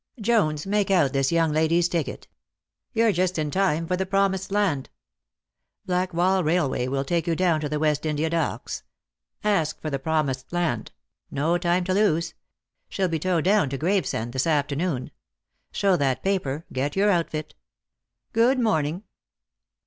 Jones, make out this young lady's ticket. You're just in time for the Promised Land. Blackwall Railway'll take you down to the West India Docks. Ask for the Promised Land; no time to lose. She'll be towed down to Gravesend this after noon. Show that paper, get your outfit. Good morning."